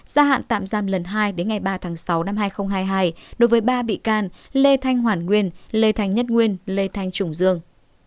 gia hạn tạm giam lần hai đến ngày ba tháng sáu năm hai nghìn hai mươi hai đối với ba bị can lê thanh hoàn nguyên lê thanh nhất nguyên lê thanh trùng dương